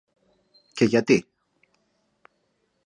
Και γιατί;